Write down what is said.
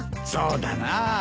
そうだなぁ。